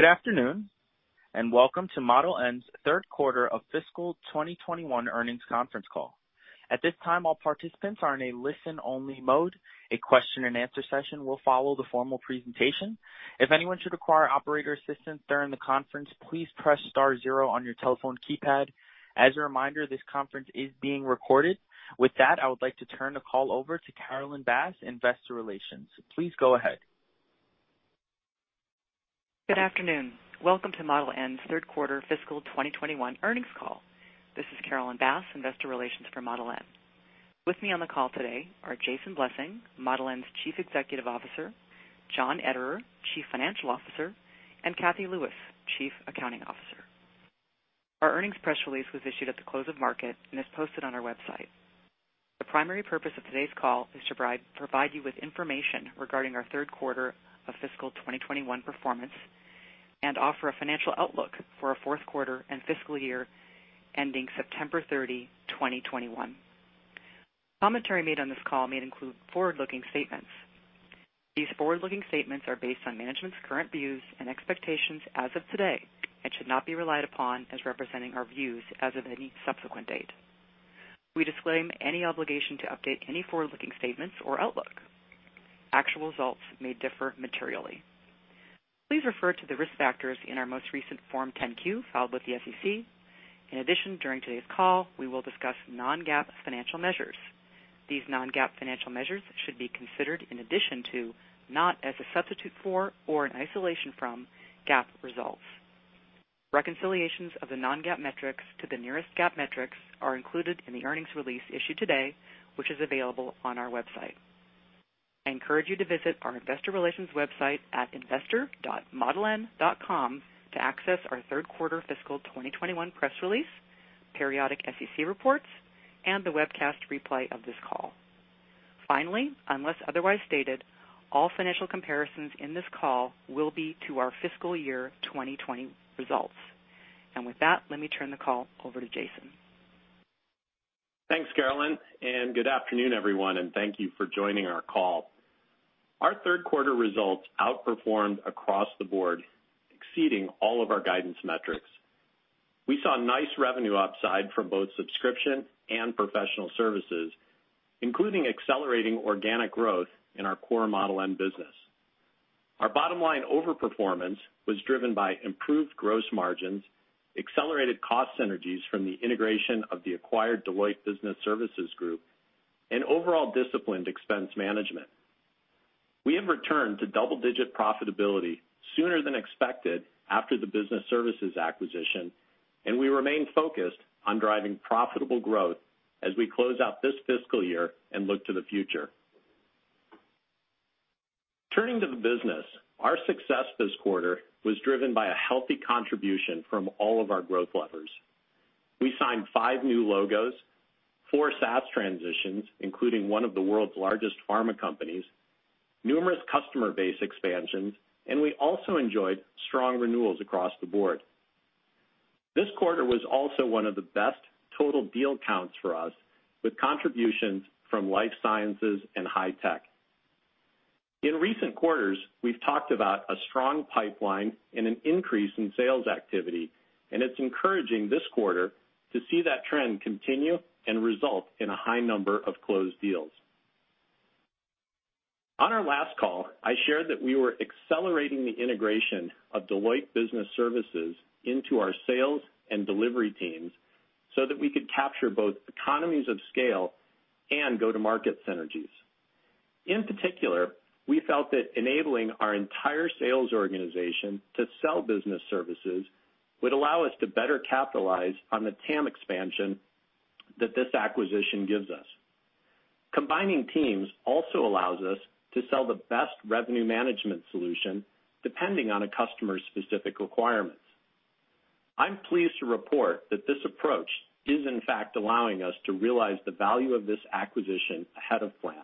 Good afternoon, and welcome to Model N's third quarter of fiscal 2021 earnings conference call. At this time, all participants are in a listen-only mode. A question and answer session will follow the formal presentation. If anyone should require operator assistance during the conference, please press star zero on your telephone keypad. As a reminder, this conference is being recorded. With that, I would like to turn the call over to Carolyn Bass, Investor Relations. Please go ahead. Good afternoon. Welcome to Model N's third quarter fiscal 2021 earnings call. This is Carolyn Bass, Investor Relations for Model N. With me on the call today are Jason Blessing, Model N's Chief Executive Officer, John Ederer, Chief Financial Officer, and Cathy Lewis, Chief Accounting Officer. Our earnings press release was issued at the close of market and is posted on our website. The primary purpose of today's call is to provide you with information regarding our third quarter of fiscal 2021 performance, and offer a financial outlook for our fourth quarter and fiscal year ending September 30th, 2021. Commentary made on this call may include forward-looking statements. These forward-looking statements are based on management's current views and expectations as of today and should not be relied upon as representing our views as of any subsequent date. We disclaim any obligation to update any forward-looking statements or outlook. Actual results may differ materially. Please refer to the risk factors in our most recent Form 10-Q filed with the SEC. During today's call, we will discuss non-GAAP financial measures. These non-GAAP financial measures should be considered in addition to, not as a substitute for or an isolation from, GAAP results. Reconciliations of the non-GAAP metrics to the nearest GAAP metrics are included in the earnings release issued today, which is available on our website. I encourage you to visit our investor relations website at investor.modeln.com to access our third quarter fiscal 2021 press release, periodic SEC reports, and the webcast replay of this call. Unless otherwise stated, all financial comparisons in this call will be to our fiscal year 2020 results. With that, let me turn the call over to Jason. Thanks, Carolyn. Good afternoon, everyone, and thank you for joining our call. Our third quarter results outperformed across the board, exceeding all of our guidance metrics. We saw nice revenue upside from both subscription and professional services, including accelerating organic growth in our core Model N business. Our bottom line overperformance was driven by improved gross margins, accelerated cost synergies from the integration of the acquired Deloitte Business Services group, and overall disciplined expense management. We have returned to double-digit profitability sooner than expected after the business services acquisition. We remain focused on driving profitable growth as we close out this fiscal year and look to the future. Turning to the business, our success this quarter was driven by a healthy contribution from all of our growth levers. We signed five new logos, four SaaS transitions, including one of the world's largest pharma companies, numerous customer base expansions, and we also enjoyed strong renewals across the board. This quarter was also one of the best total deal counts for us, with contributions from life sciences and high tech. In recent quarters, we've talked about a strong pipeline and an increase in sales activity, and it's encouraging this quarter to see that trend continue and result in a high number of closed deals. On our last call, I shared that we were accelerating the integration of Deloitte Business Services into our sales and delivery teams so that we could capture both economies of scale and go-to-market synergies. In particular, we felt that enabling our entire sales organization to sell business services would allow us to better capitalize on the TAM expansion that this acquisition gives us. Combining teams also allows us to sell the best revenue management solution depending on a customer's specific requirements. I'm pleased to report that this approach is in fact allowing us to realize the value of this acquisition ahead of plan.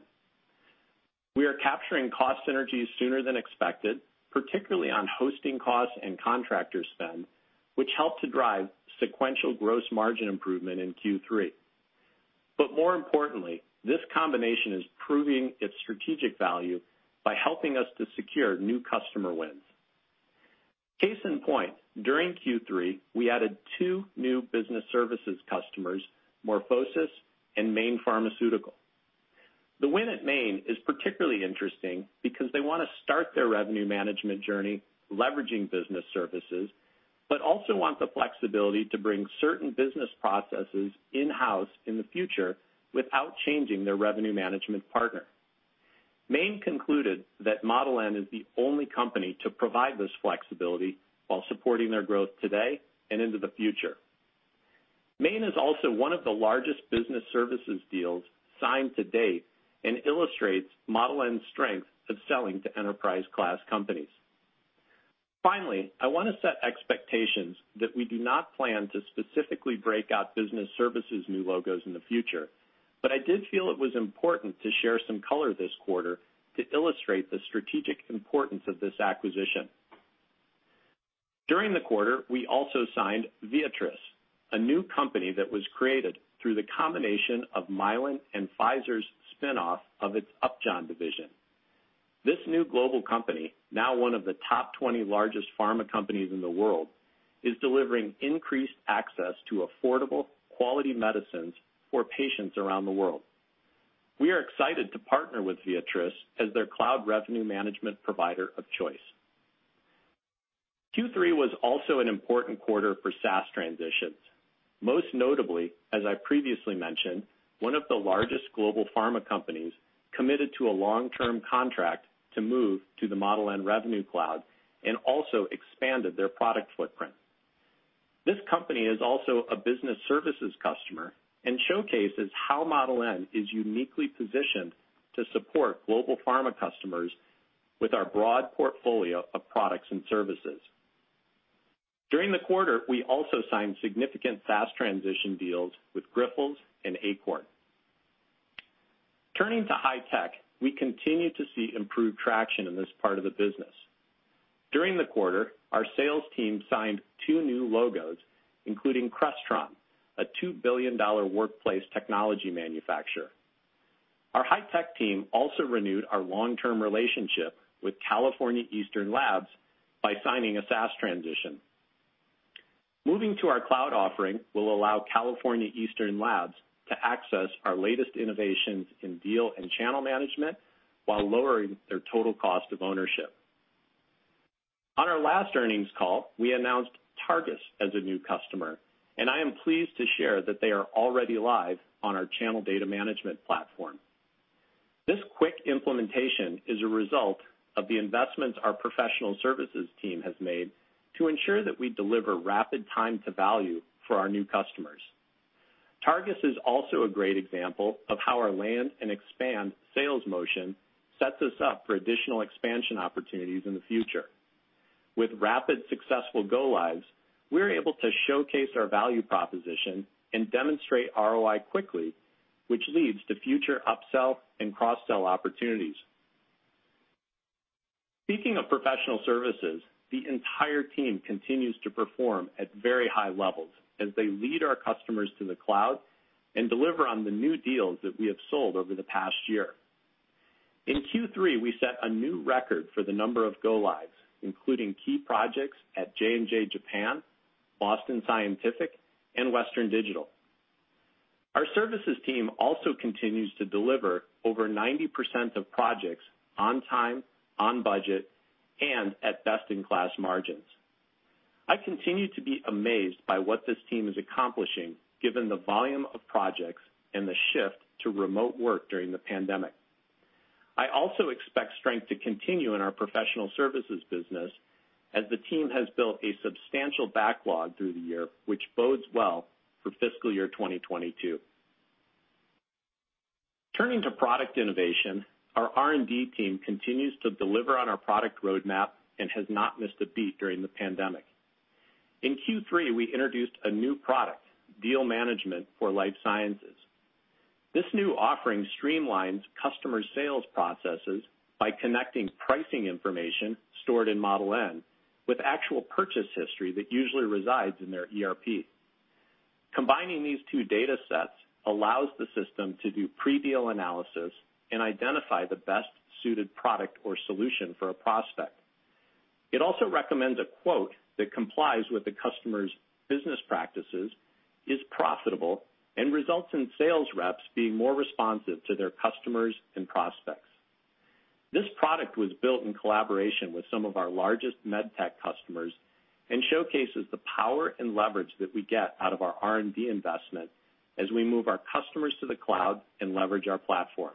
We are capturing cost synergies sooner than expected, particularly on hosting costs and contractor spend, which help to drive sequential gross margin improvement in Q3. More importantly, this combination is proving its strategic value by helping us to secure new customer wins. Case in point, during Q3, we added two new business services customers, MorphoSys and Mayne Pharmaceutical. The win at Mayne is particularly interesting because they want to start their revenue management journey leveraging business services, but also want the flexibility to bring certain business processes in-house in the future without changing their revenue management partner. Mayne concluded that Model N is the one company to provide this flexibility while supporting their growth today and into the future. Mayne is also one of the largest business services deals signed to date and illustrates Model N's strength of selling to enterprise-class companies. Finally, I want to set expectations that we do not plan to specifically break out business services new logos in the future. I did feel it was important to share some color this quarter to illustrate the strategic importance of this acquisition. During the quarter, we also signed Viatris, a new company that was created through the combination of Mylan and Pfizer's spinoff of its Upjohn division. This new global company, now one of the top 20 largest pharma companies in the world, is delivering increased access to affordable, quality medicines for patients around the world. We are excited to partner with Viatris as their cloud revenue management provider of choice. Q3 was also an important quarter for SaaS transitions. Most notably, as I previously mentioned, one of the largest global pharma companies committed to a long-term contract to move to the Model N Revenue Cloud and also expanded their product footprint. This company is also a business services customer and showcases how Model N is uniquely positioned to support global pharma customers with our broad portfolio of products and services. During the quarter, we also signed significant SaaS transition deals with Grifols and Akorn. Turning to high tech, we continue to see improved traction in this part of the business. During the quarter, our sales team signed two new logos, including Crestron, a $2 billion workplace technology manufacturer. Our high-tech team also renewed our long-term relationship with California Eastern Laboratories by signing a SaaS transition. Moving to our cloud offering will allow California Eastern Laboratories to access our latest innovations in deal and channel management while lowering their total cost of ownership. On our last earnings call, we announced Targus as a new customer, and I am pleased to share that they are already live on our Channel Data Management platform. This quick implementation is a result of the investments our professional services team has made to ensure that we deliver rapid time to value for our new customers. Targus is also a great example of how our land and expand sales motion sets us up for additional expansion opportunities in the future. With rapid successful go lives, we are able to showcase our value proposition and demonstrate ROI quickly, which leads to future upsell and cross-sell opportunities. Speaking of professional services, the entire team continues to perform at very high levels as they lead our customers to the cloud and deliver on the new deals that we have sold over the past year. In Q3, we set a new record for the number of go lives, including key projects at J&J Japan, Boston Scientific, and Western Digital. Our services team also continues to deliver over 90% of projects on time, on budget, and at best-in-class margins. I continue to be amazed by what this team is accomplishing given the volume of projects and the shift to remote work during the pandemic. I also expect strength to continue in our professional services business as the team has built a substantial backlog through the year, which bodes well for fiscal year 2022. Turning to product innovation, our R&D team continues to deliver on our product roadmap and has not missed a beat during the pandemic. In Q3, we introduced a new product, Deal Management for Life Sciences. This new offering streamlines customer sales processes by connecting pricing information stored in Model N with actual purchase history that usually resides in their ERP. Combining these two data sets allows the system to do pre-deal analysis and identify the best-suited product or solution for a prospect. It also recommends a quote that complies with the customer's business practices, is profitable, and results in sales reps being more responsive to their customers and prospects. This product was built in collaboration with some of our largest med tech customers and showcases the power and leverage that we get out of our R&D investment as we move our customers to the cloud and leverage our platform.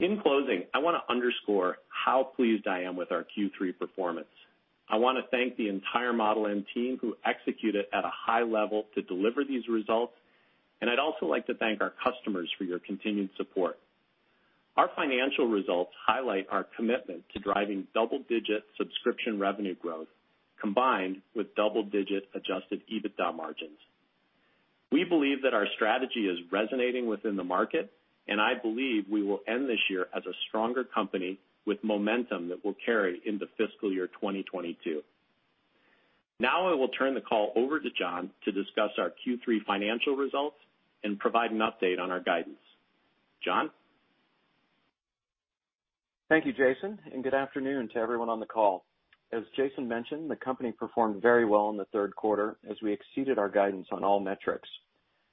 In closing, I want to underscore how pleased I am with our Q3 performance. I want to thank the entire Model N team who executed at a high level to deliver these results, and I'd also like to thank our customers for your continued support. Our financial results highlight our commitment to driving double-digit subscription revenue growth combined with double-digit adjusted EBITDA margins. We believe that our strategy is resonating within the market, and I believe we will end this year as a stronger company with momentum that will carry into fiscal year 2022. Now I will turn the call over to John to discuss our Q3 financial results and provide an update on our guidance. John? Thank you, Jason. Good afternoon to everyone on the call. As Jason mentioned, the company performed very well in the third quarter as we exceeded our guidance on all metrics.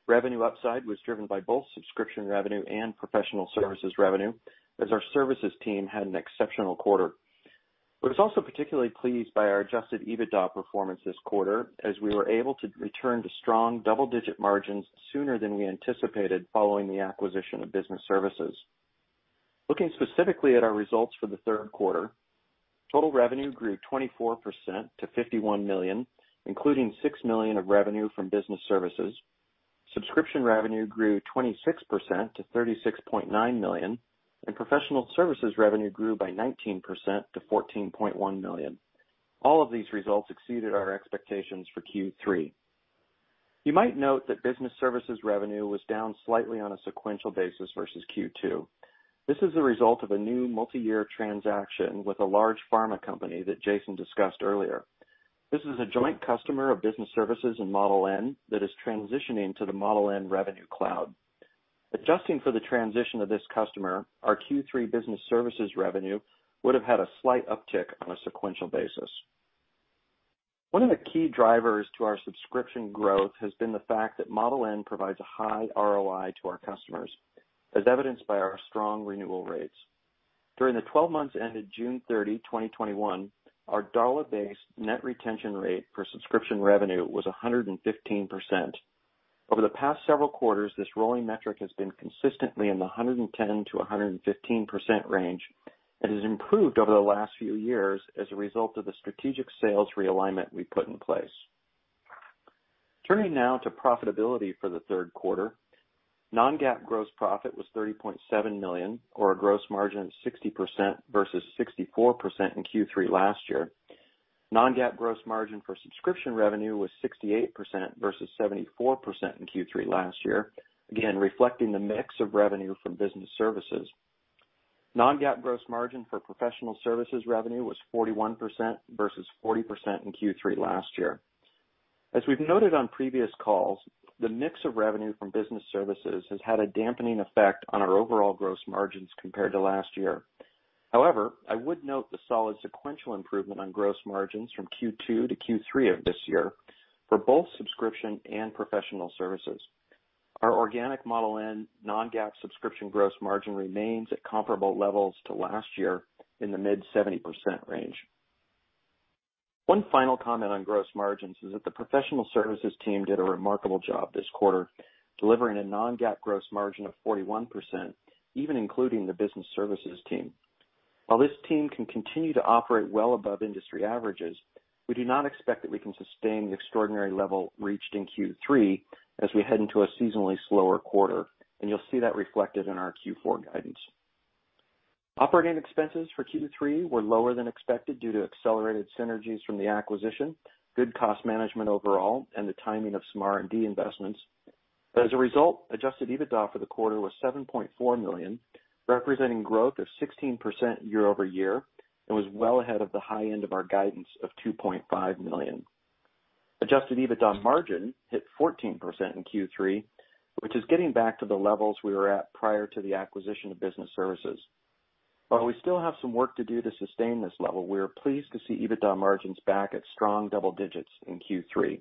Revenue upside was driven by both subscription revenue and professional services revenue as our services team had an exceptional quarter. We're also particularly pleased by our adjusted EBITDA performance this quarter as we were able to return to strong double-digit margins sooner than we anticipated following the acquisition of Business Services. Looking specifically at our results for the third quarter, total revenue grew 24% to $51 million, including $6 million of revenue from Business Services. Subscription revenue grew 26% to $36.9 million, and professional services revenue grew by 19% to $14.1 million. All of these results exceeded our expectations for Q3. You might note that Business Services revenue was down slightly on a sequential basis versus Q2. This is a result of a new multi-year transaction with a large pharma company that Jason discussed earlier. This is a joint customer of business services and Model N that is transitioning to the Model N Revenue Cloud. Adjusting for the transition of this customer, our Q3 business services revenue would have had a slight uptick on a sequential basis. One of the key drivers to our subscription growth has been the fact that Model N provides a high ROI to our customers, as evidenced by our strong renewal rates. During the 12 months ended June 30, 2021, our dollar-based net retention rate per subscription revenue was 115%. Over the past several quarters, this rolling metric has been consistently in the 110%-115% range and has improved over the last few years as a result of the strategic sales realignment we put in place. Turning now to profitability for the third quarter. Non-GAAP gross profit was $30.7 million, or a gross margin of 60% versus 64% in Q3 last year. Non-GAAP gross margin for subscription revenue was 68% versus 74% in Q3 last year, again, reflecting the mix of revenue from business services. Non-GAAP gross margin for professional services revenue was 41% versus 40% in Q3 last year. As we've noted on previous calls, the mix of revenue from business services has had a dampening effect on our overall gross margins compared to last year. However, I would note the solid sequential improvement on gross margins from Q2 to Q3 of this year for both subscription and professional services. Our organic Model N non-GAAP subscription gross margin remains at comparable levels to last year in the mid 70% range. One final comment on gross margins is that the professional services team did a remarkable job this quarter, delivering a non-GAAP gross margin of 41%, even including the business services team. While this team can continue to operate well above industry averages, we do not expect that we can sustain the extraordinary level reached in Q3 as we head into a seasonally slower quarter, and you'll see that reflected in our Q4 guidance. Operating expenses for Q3 were lower than expected due to accelerated synergies from the acquisition, good cost management overall, and the timing of some R&D investments. As a result, adjusted EBITDA for the quarter was $7.4 million, representing growth of 16% year-over-year, and was well ahead of the high end of our guidance of $2.5 million. Adjusted EBITDA margin hit 14% in Q3, which is getting back to the levels we were at prior to the acquisition of business services. While we still have some work to do to sustain this level, we are pleased to see EBITDA margins back at strong double digits in Q3.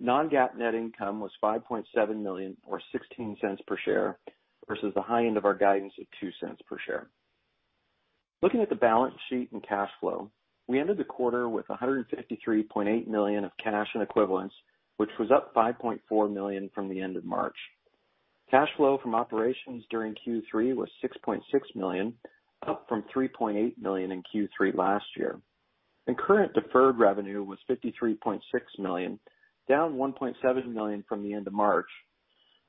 Non-GAAP net income was $5.7 million or $0.16 per share, versus the high end of our guidance of $0.02 per share. Looking at the balance sheet and cash flow, we ended the quarter with $153.8 million of cash and equivalents, which was up $5.4 million from the end of March. Cash flow from operations during Q3 was $6.6 million, up from $3.8 million in Q3 last year. Current deferred revenue was $53.6 million, down $1.7 million from the end of March.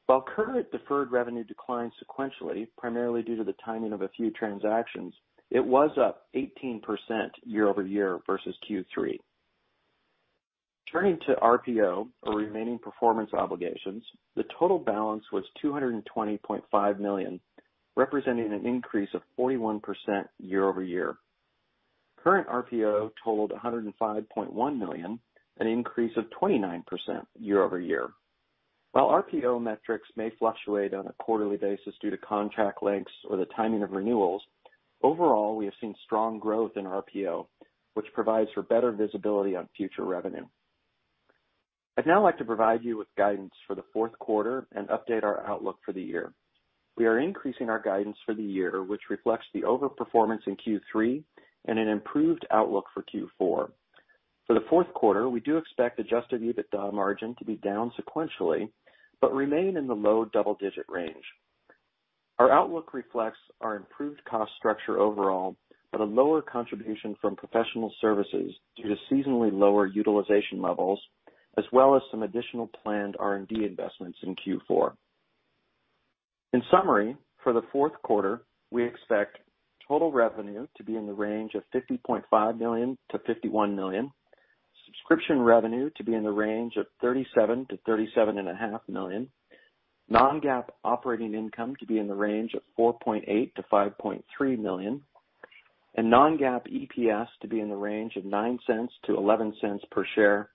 While current deferred revenue declined sequentially, primarily due to the timing of a few transactions, it was up 18% year-over-year versus Q3. Turning to RPO, or remaining performance obligations, the total balance was $220.5 million, representing an increase of 41% year-over-year. Current RPO totaled $105.1 million, an increase of 29% year-over-year. While RPO metrics may fluctuate on a quarterly basis due to contract lengths or the timing of renewals, overall, we have seen strong growth in RPO, which provides for better visibility on future revenue. I'd now like to provide you with guidance for the fourth quarter and update our outlook for the year. We are increasing our guidance for the year, which reflects the overperformance in Q3 and an improved outlook for Q4. For the fourth quarter, we do expect adjusted EBITDA margin to be down sequentially, but remain in the low double-digit range. Our outlook reflects our improved cost structure overall, but a lower contribution from professional services due to seasonally lower utilization levels, as well as some additional planned R&D investments in Q4. In summary, for the fourth quarter, we expect total revenue to be in the range of $50.5 million-$51 million, subscription revenue to be in the range of $37 million-$37.5 million, non-GAAP operating income to be in the range of $4.8 million-$5.3 million, and non-GAAP EPS to be in the range of $0.09 to $0.11 per share,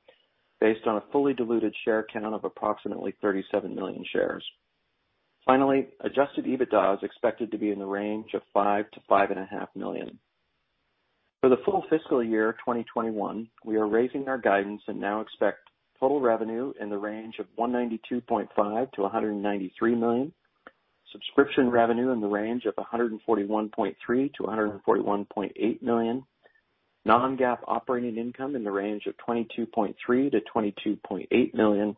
based on a fully diluted share count of approximately 37 million shares. Finally, adjusted EBITDA is expected to be in the range of $5 million-$5.5 million. For the full fiscal year 2021, we are raising our guidance and now expect total revenue in the range of $192.5 million-$193 million, subscription revenue in the range of $141.3 million-$141.8 million, non-GAAP operating income in the range of $22.3 million-$22.8 million,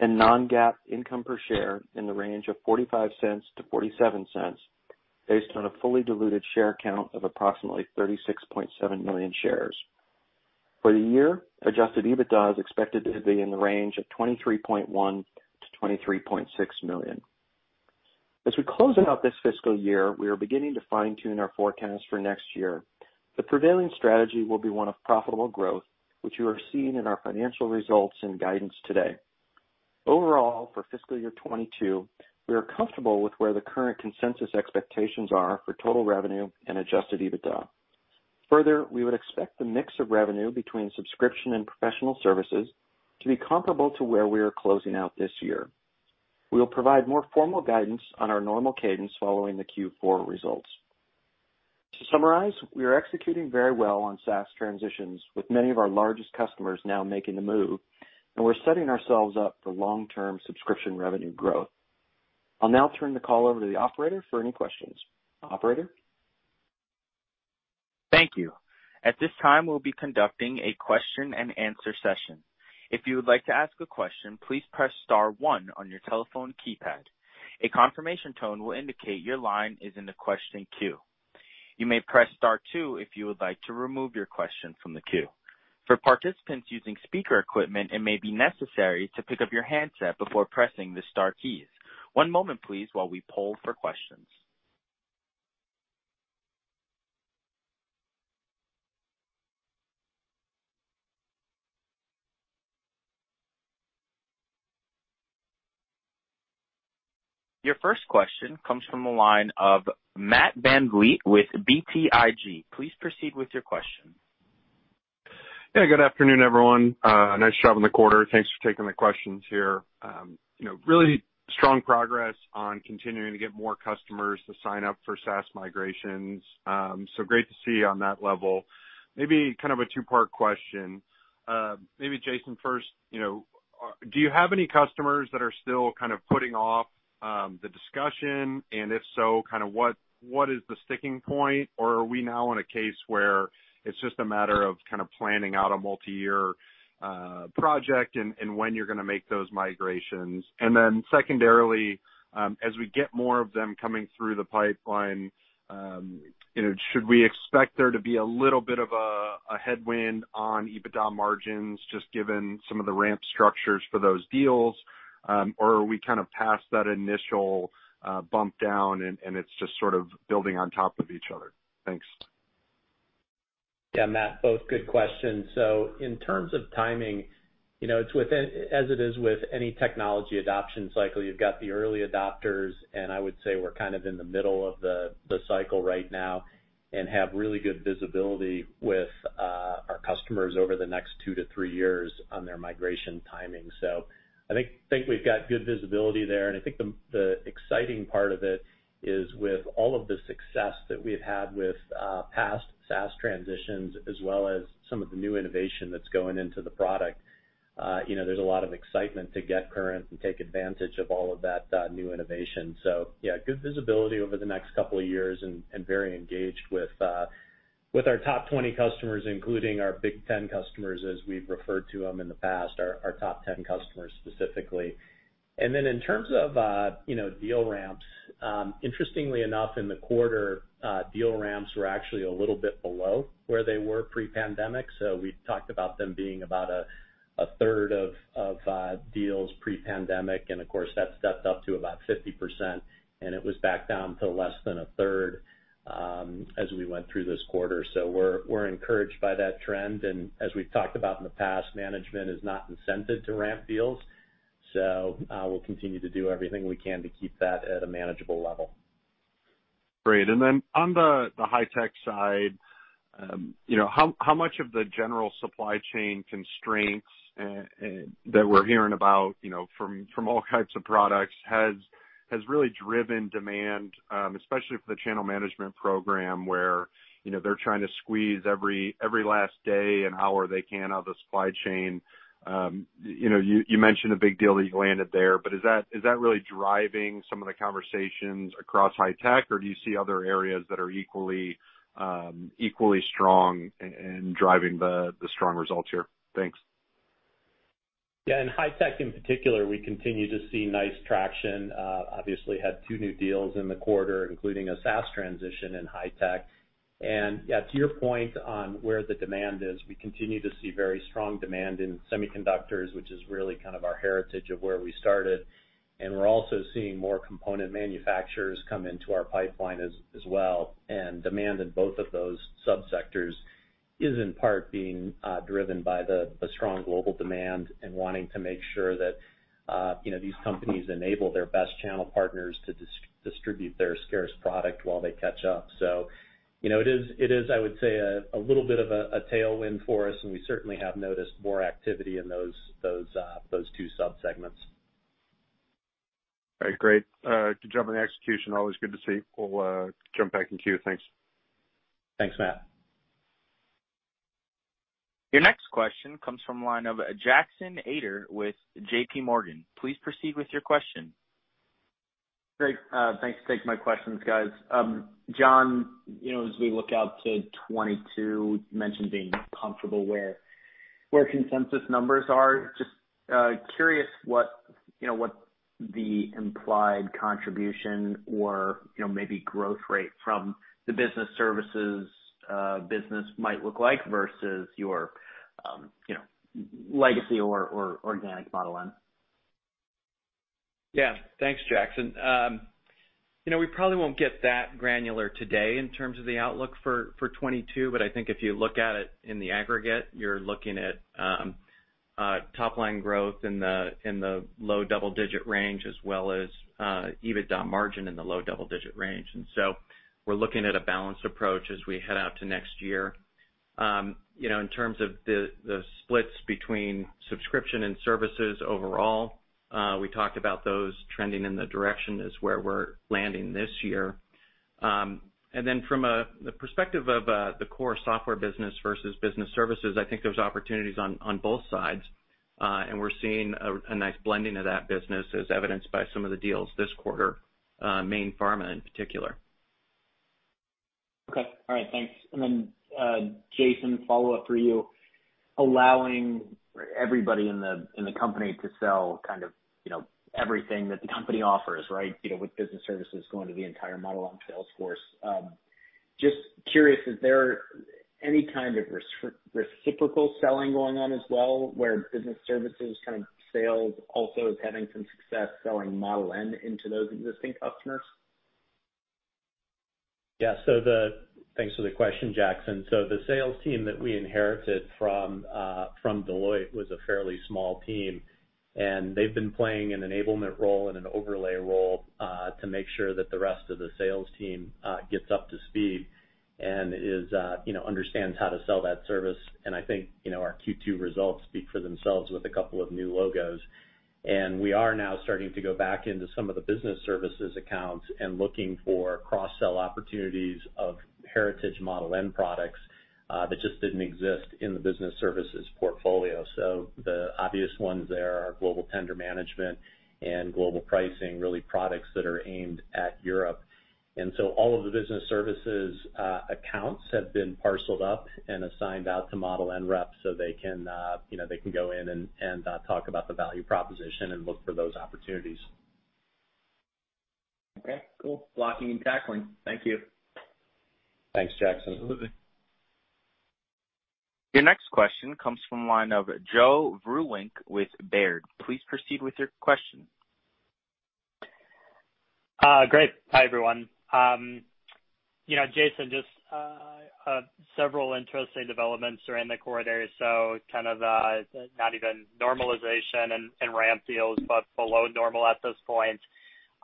and non-GAAP income per share in the range of $0.45-$0.47, based on a fully diluted share count of approximately 36.7 million shares. For the year, adjusted EBITDA is expected to be in the range of $23.1 million-$23.6 million. As we close out this fiscal year, we are beginning to fine-tune our forecast for next year. The prevailing strategy will be one of profitable growth, which you are seeing in our financial results and guidance today. Overall, for fiscal year 2022, we are comfortable with where the current consensus expectations are for total revenue and adjusted EBITDA. We would expect the mix of revenue between subscription and professional services to be comparable to where we are closing out this year. We will provide more formal guidance on our normal cadence following the Q4 results. To summarize, we are executing very well on SaaS transitions, with many of our largest customers now making the move, and we're setting ourselves up for long-term subscription revenue growth. I'll now turn the call over to the operator for any questions. Operator? Thank you. At this time, we'll be conducting a question and answer session. If you would like to ask a question, please press star one on your telephone keypad. A confirmation tone will indicate your line is in the question queue. You may press star two if you would like to remove your question from the queue. For participants using speaker equipment, it may be necessary to pick up your handset before pressing the star keys. One moment please while we poll for questions. Your first question comes from the line of Matt VanVliet with BTIG. Please proceed with your question. Yeah, good afternoon, everyone. Nice job on the quarter. Thanks for taking the questions here. Really strong progress on continuing to get more customers to sign up for SaaS migrations. Great to see on that level. Maybe kind of a two-part question. Maybe Jason first, do you have any customers that are still kind of putting off the discussion? If so, what is the sticking point? Are we now in a case where it's just a matter of kind of planning out a multi-year project and when you're going to make those migrations? Secondarily, as we get more of them coming through the pipeline, should we expect there to be a little bit of a headwind on EBITDA margins, just given some of the ramp structures for those deals? Are we kind of past that initial bump down and it's just sort of building on top of each other? Thanks. Yeah, Matt, both good questions. In terms of timing, as it is with any technology adoption cycle, you've got the early adopters, and I would say we're kind of in the middle of the cycle right now and have really good visibility with our customers over the next two-three years on their migration timing. I think we've got good visibility there, and I think the exciting part of it is with all of the success that we've had with past SaaS transitions, as well as some of the new innovation that's going into the product, there's a lot of excitement to get current and take advantage of all of that new innovation. Yeah, good visibility over the next couple of years and very engaged with our top 20 customers, including our big 10 customers, as we've referred to them in the past, our top 10 customers specifically. Then in terms of deal ramps, interestingly enough, in the quarter, deal ramps were actually a little bit below where they were pre-pandemic. We talked about them being about a third of deals pre-pandemic, and of course that stepped up to about 50%, and it was back down to less than a third as we went through this quarter. We're encouraged by that trend, and as we've talked about in the past, management is not incented to ramp deals. We'll continue to do everything we can to keep that at a manageable level. Great. On the high tech side, how much of the general supply chain constraints that we're hearing about from all kinds of products has really driven demand, especially for the channel management program, where they're trying to squeeze every last day and hour they can out of the supply chain? You mentioned a big deal that you landed there, is that really driving some of the conversations across high tech, or do you see other areas that are equally strong and driving the strong results here? Thanks. Yeah, in high tech in particular, we continue to see nice traction. Obviously had two new deals in the quarter, including a SaaS transition in high tech. Yeah, to your point on where the demand is, we continue to see very strong demand in semiconductors, which is really kind of our heritage of where we started. We're also seeing more component manufacturers come into our pipeline as well, and demand in both of those sub-sectors is in part being driven by the strong global demand and wanting to make sure that these companies enable their best channel partners to distribute their scarce product while they catch up. It is, I would say, a little bit of a tailwind for us, and we certainly have noticed more activity in those two sub-segments. All right. Great. Good job on the execution. Always good to see. We'll jump back in queue. Thanks. Thanks, Matt. Your next question comes from the line of Jackson Ader with JPMorgan. Please proceed with your question. Great. Thanks for taking my questions, guys. John, as we look out to 2022, you mentioned being comfortable where consensus numbers are. Just curious what the implied contribution or maybe growth rate from the business services business might look like versus your legacy or organic Model N? Yeah. Thanks, Jackson. We probably won't get that granular today in terms of the outlook for 2022, but I think if you look at it in the aggregate, you're looking at top-line growth in the low double-digit range as well as EBITDA margin in the low double-digit range. We're looking at a balanced approach as we head out to next year. In terms of the splits between subscription and services overall, we talked about those trending in the direction as where we're landing this year. From the perspective of the core software business versus business services, I think there's opportunities on both sides. We're seeing a nice blending of that business as evidenced by some of the deals this quarter, Mayne Pharma in particular. Okay. All right, thanks. Jason, follow-up for you. Allowing everybody in the company to sell kind of everything that the company offers, right? With business services going to the entire Model N sales force. Just curious, is there any kind of reciprocal selling going on as well, where business services kind of sales also is having some success selling Model N into those existing customers? Yeah. Thanks for the question, Jackson. The sales team that we inherited from Deloitte was a fairly small team, and they've been playing an enablement role and an overlay role, to make sure that the rest of the sales team gets up to speed and understands how to sell that service. I think, our Q2 results speak for themselves with a couple of new logos. We are now starting to go back into some of the business services accounts and looking for cross-sell opportunities of heritage Model N products, that just didn't exist in the business services portfolio. The obvious ones there are Global Tender Management and Global Pricing, really products that are aimed at Europe. All of the Business Services accounts have been parceled up and assigned out to Model N reps so they can go in and talk about the value proposition and look for those opportunities. Okay, cool. Blocking and tackling. Thank you. Thanks, Jackson. Absolutely. Your next question comes from the line of Joe Vruwink with Baird. Please proceed with your question. Great. Hi, everyone. Jason, just several interesting developments during the quarter, so kind of not even normalization in ramp deals, but below normal at this point.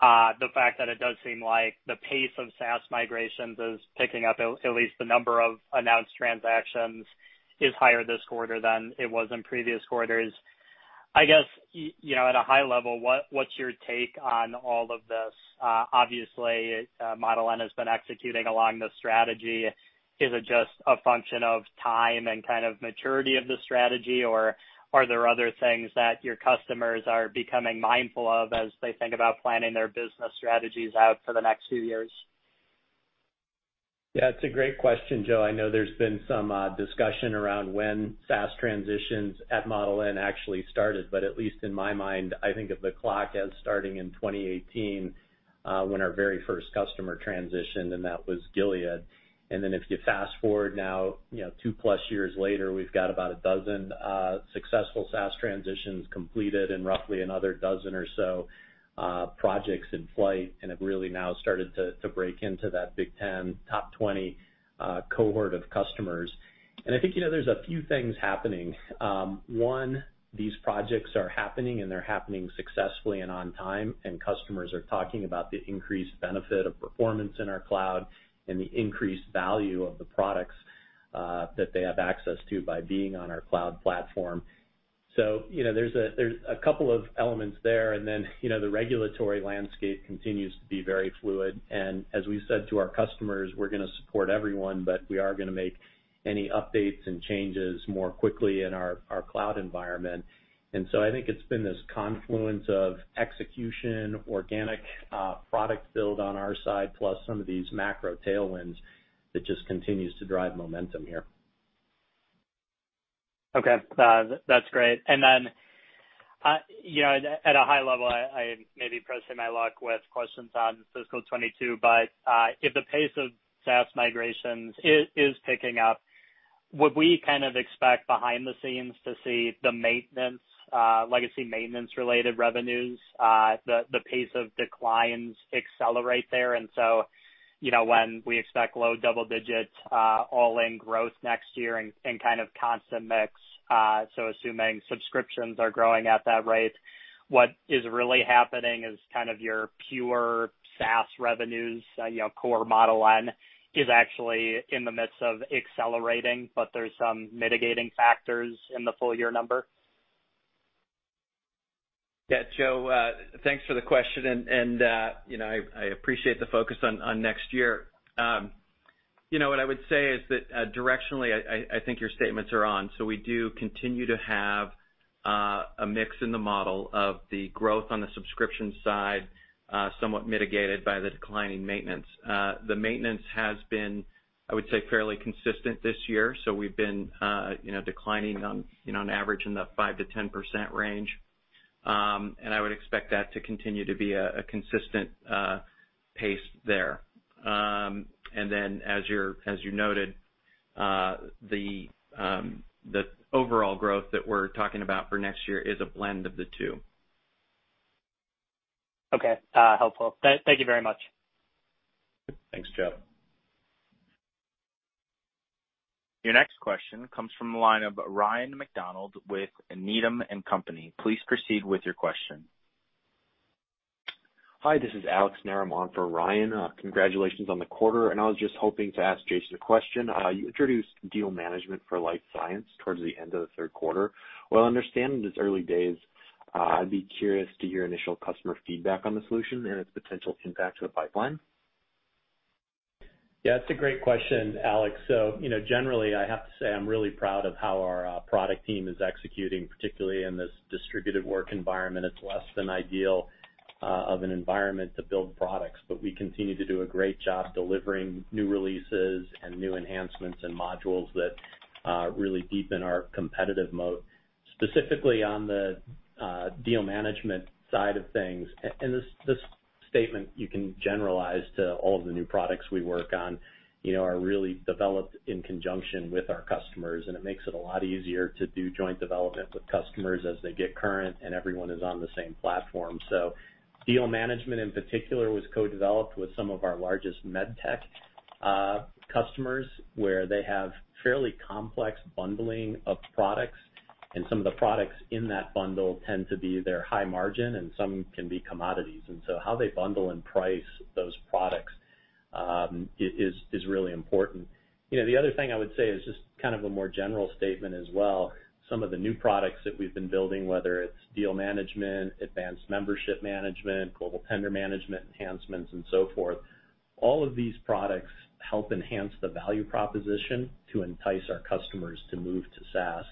The fact that it does seem like the pace of SaaS migrations is picking up, at least the number of announced transactions is higher this quarter than it was in previous quarters. I guess, at a high level, what's your take on all of this? Obviously, Model N has been executing along this strategy. Is it just a function of time and kind of maturity of the strategy, or are there other things that your customers are becoming mindful of as they think about planning their business strategies out for the next few years? Yeah, it's a great question, Joe. I know there's been some discussion around when SaaS transitions at Model N actually started. At least in my mind, I think of the clock as starting in 2018, when our very first customer transitioned, and that was Gilead. If you fast-forward now two-plus years later, we've got about a dozen successful SaaS transitions completed and roughly another dozen or so projects in flight and have really now started to break into that Big 10, top 20 cohort of customers. I think, there's a few things happening. One, these projects are happening, and they're happening successfully and on time, and customers are talking about the increased benefit of performance in our cloud and the increased value of the products that they have access to by being on our cloud platform. There's a couple of elements there. The regulatory landscape continues to be very fluid. As we said to our customers, we're going to support everyone, but we are going to make any updates and changes more quickly in our cloud environment. I think it's been this confluence of execution, organic product build on our side, plus some of these macro tailwinds that just continues to drive momentum here. Okay. That's great. At a high level, I am maybe pressing my luck with questions on fiscal 2022, but if the pace of SaaS migrations is picking up, would we kind of expect behind the scenes to see the legacy maintenance-related revenues, the pace of declines accelerate there? When we expect low double digits all-in growth next year and kind of constant mix, so assuming subscriptions are growing at that rate, what is really happening is kind of your pure SaaS revenues, core Model N, is actually in the midst of accelerating, but there's some mitigating factors in the full-year number? Yeah, Joe, thanks for the question, and I appreciate the focus on next year. What I would say is that, directionally, I think your statements are on. We do continue to have a mix in the model of the growth on the subscription side, somewhat mitigated by the declining maintenance. The maintenance has been, I would say, fairly consistent this year. We've been declining on average in the 5%-10% range. I would expect that to continue to be a consistent pace there. As you noted. The overall growth that we're talking about for next year is a blend of the two. Okay. Helpful. Thank you very much. Thanks, Jeff. Your next question comes from the line of Ryan MacDonald with Needham & Company. Please proceed with your question. Hi, this is Alex Narum for Ryan. Congratulations on the quarter. I was just hoping to ask Jason a question. You introduced Deal Management for Life Sciences towards the end of the third quarter. While understanding it's early days, I'd be curious to your initial customer feedback on the solution and its potential impact to the pipeline. Yeah, it's a great question, Alex. Generally, I have to say I'm really proud of how our product team is executing, particularly in this distributed work environment. It's less than ideal of an environment to build products, but we continue to do a great job delivering new releases and new enhancements and modules that really deepen our competitive moat. Specifically on the deal management side of things, and this statement you can generalize to all of the new products we work on, are really developed in conjunction with our customers, and it makes it a lot easier to do joint development with customers as they get current and everyone is on the same platform. Deal Management in particular was co-developed with some of our largest med tech customers, where they have fairly complex bundling of products, and some of the products in that bundle tend to be their high margin and some can be commodities. How they bundle and price those products is really important. The other thing I would say is just a more general statement as well. Some of the new products that we've been building, whether it's Deal Management, Advanced Membership Management, Global Tender Management enhancements and so forth, all of these products help enhance the value proposition to entice our customers to move to SaaS.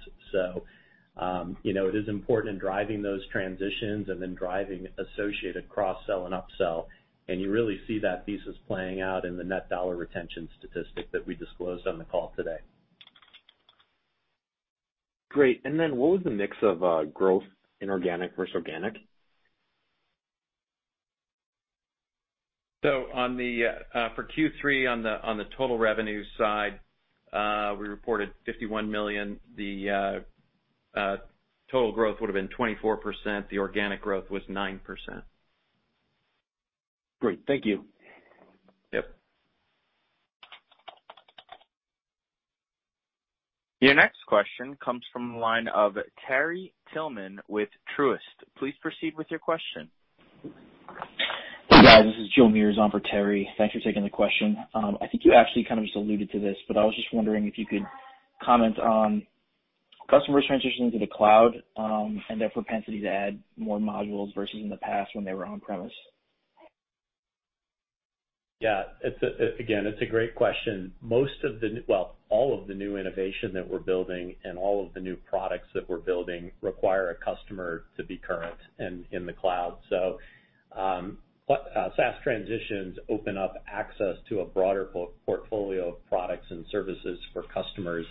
It is important in driving those transitions and then driving associated cross-sell and up-sell, and you really see that thesis playing out in the net dollar retention statistic that we disclosed on the call today. Great. Then what was the mix of growth inorganic versus organic? For Q3, on the total revenue side, we reported $51 million. The total growth would've been 24%. The organic growth was 9%. Great. Thank you. Yep. Your next question comes from the line of Terry Tillman with Truist. Please proceed with your question. Hi, this is Joe Meares on for Terry. Thanks for taking the question. I think you actually kind of just alluded to this, but I was just wondering if you could comment on customers transitioning to the cloud, and their propensity to add more modules versus in the past when they were on-premise. Yeah. Again, it's a great question. All of the new innovation that we're building and all of the new products that we're building require a customer to be current and in the cloud. SaaS transitions open up access to a broader portfolio of products and services for customers,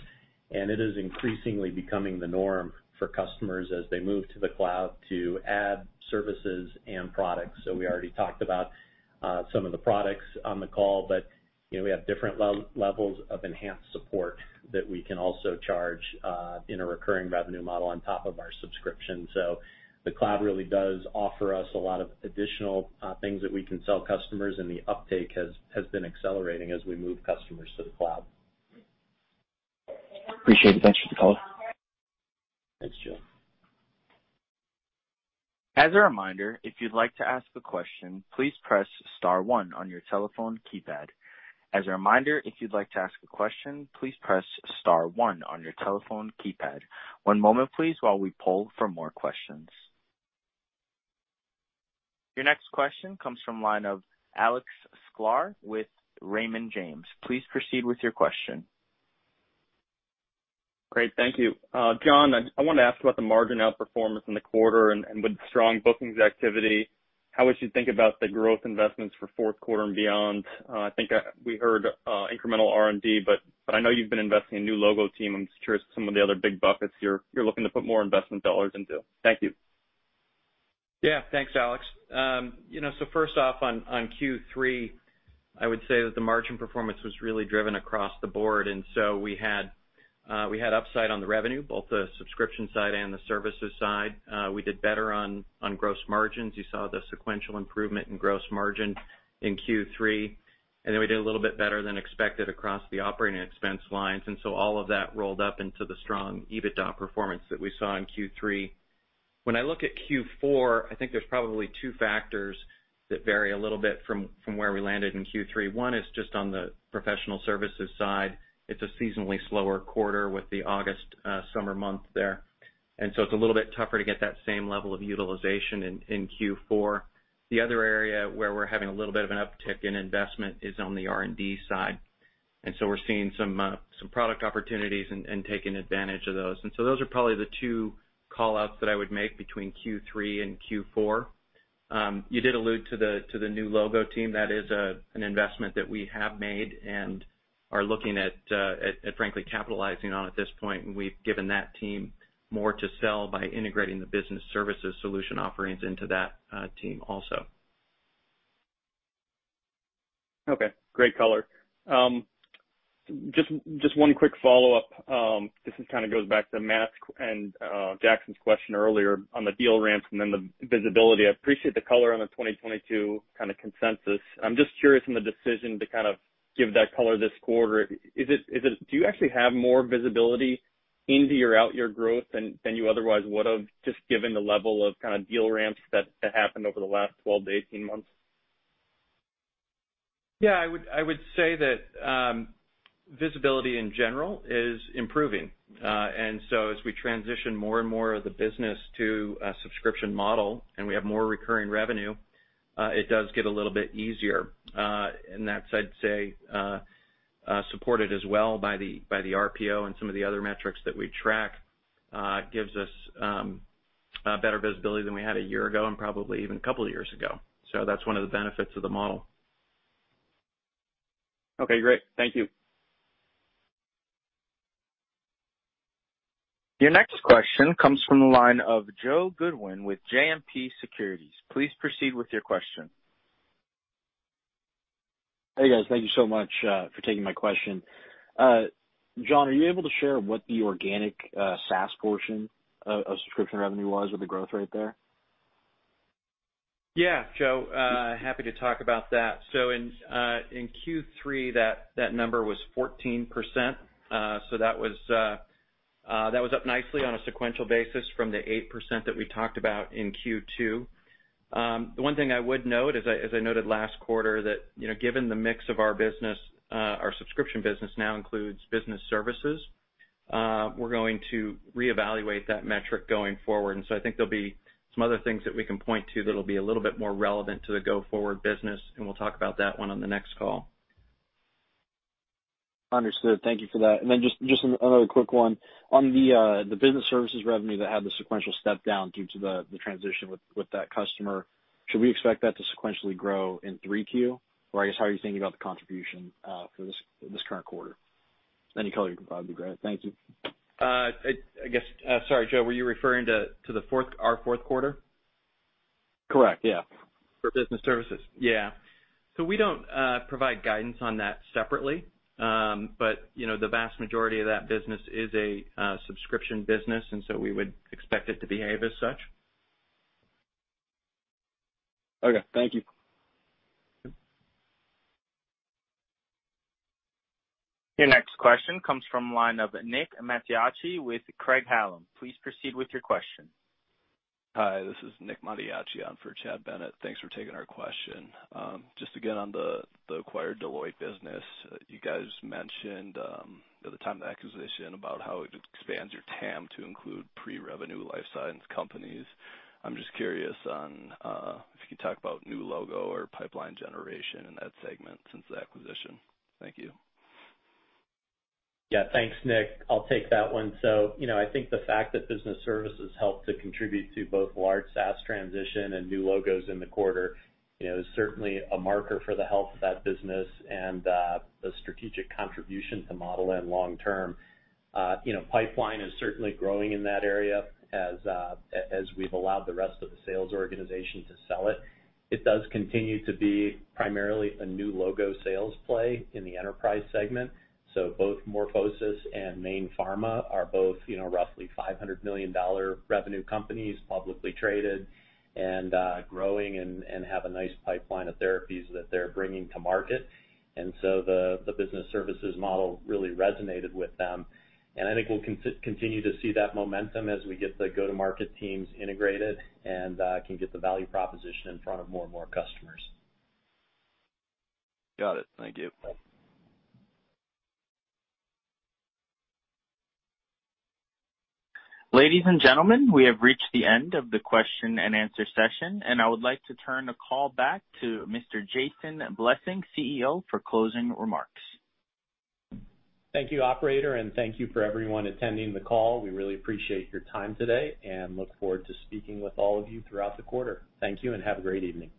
and it is increasingly becoming the norm for customers as they move to the cloud to add services and products. We already talked about some of the products on the call, but we have different levels of enhanced support that we can also charge in a recurring revenue model on top of our subscription. The cloud really does offer us a lot of additional things that we can sell customers, and the uptake has been accelerating as we move customers to the cloud. Appreciate it. Thanks for the call. Thanks, Joe. As a reminder, if you'd like to ask a question, please press star one on your telephone keypad. One moment, please, while we poll for more questions. Your next question comes from line of Alex Sklar with Raymond James. Please proceed with your question. Great. Thank you. John, I wanted to ask about the margin outperformance in the quarter, and with strong bookings activity, how would you think about the growth investments for fourth quarter and beyond? I think we heard incremental R&D, but I know you've been investing in new logo team. I'm just curious some of the other big buckets you're looking to put more investment dollars into. Thank you. Yeah. Thanks, Alex. First off, on Q3, I would say that the margin performance was really driven across the board. We had upside on the revenue, both the subscription side and the services side. We did better on gross margins. You saw the sequential improvement in gross margin in Q3. We did a little bit better than expected across the operating expense lines. All of that rolled up into the strong EBITDA performance that we saw in Q3. When I look at Q4, I think there's probably two factors that vary a little bit from where we landed in Q3. One is just on the professional services side. It's a seasonally slower quarter with the August summer month there. It's a little bit tougher to get that same level of utilization in Q4. The other area where we're having a little bit of an uptick in investment is on the R&D side. We're seeing some product opportunities and taking advantage of those. Those are probably the two call-outs that I would make between Q3 and Q4. You did allude to the new logo team. That is an investment that we have made and are looking at, frankly, capitalizing on at this point, and we've given that team more to sell by integrating the business services solution offerings into that team also. Okay, great color. Just one quick follow-up. This goes back to Matt and Jackson's question earlier on the deal ramps and then the visibility. I appreciate the color on the 2022 consensus. I'm just curious on the decision to give that color this quarter. Do you actually have more visibility into your out-year growth than you otherwise would have, just given the level of deal ramps that happened over the last 12-18 months? Yeah, I would say that visibility in general is improving. As we transition more and more of the business to a subscription model and we have more recurring revenue, it does get a little bit easier. That's, I'd say, supported as well by the RPO and some of the other metrics that we track. Gives us better visibility than we had 1 year ago and probably even two years ago. That's one of the benefits of the model. Okay, great. Thank you. Your next question comes from the line of Joe Goodwin with JMP Securities. Please proceed with your question. Hey, guys. Thank you so much for taking my question. John, are you able to share what the organic SaaS portion of subscription revenue was or the growth rate there? Joe, happy to talk about that. In Q3, that number was 14%. That was up nicely on a sequential basis from the 8% that we talked about in Q2. The one thing I would note, as I noted last quarter, that given the mix of our business, our subscription business now includes Business Services. We're going to reevaluate that metric going forward. I think there'll be some other things that we can point to that'll be a little bit more relevant to the go-forward business, and we'll talk about that one on the next call. Understood. Thank you for that. Just another quick one. On the business services revenue that had the sequential step down due to the transition with that customer, should we expect that to sequentially grow in 3Q? I guess, how are you thinking about the contribution for this current quarter? Any color you can provide would be great. Thank you. I guess, sorry, Joe, were you referring to our fourth quarter? Correct, yeah. For business services? Yeah. We don't provide guidance on that separately. The vast majority of that business is a subscription business, we would expect it to behave as such. Okay, thank you. Your next question comes from the line of Nick Mattiacci with Craig-Hallum. Please proceed with your question. Hi, this is Nick Mattiacci on for Chad Bennett. Thanks for taking our question. Just again on the acquired Deloitte business, you guys mentioned at the time of the acquisition about how it expands your TAM to include pre-revenue life sciences companies. I'm just curious if you could talk about new logo or pipeline generation in that segment since the acquisition. Thank you. Thanks, Nick. I'll take that one. I think the fact that business services helped to contribute to both large SaaS transition and new logos in the quarter is certainly a marker for the health of that business and the strategic contribution to Model N long term. Pipeline is certainly growing in that area as we've allowed the rest of the sales organization to sell it. It does continue to be primarily a new logo sales play in the enterprise segment. Both MorphoSys and Mayne Pharma are both roughly $500 million revenue companies, publicly traded, and growing, and have a nice pipeline of therapies that they're bringing to market. The business services model really resonated with them. I think we'll continue to see that momentum as we get the go-to-market teams integrated and can get the value proposition in front of more and more customers. Got it. Thank you. Ladies and gentlemen, we have reached the end of the question and answer session. I would like to turn the call back to Mr. Jason Blessing, CEO, for closing remarks. Thank you, operator, and thank you for everyone attending the call. We really appreciate your time today and look forward to speaking with all of you throughout the quarter. Thank you and have a great evening.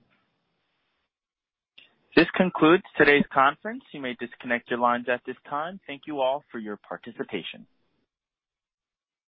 This concludes today's conference. You may disconnect your lines at this time. Thank you all for your participation.